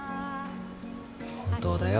本当だよ。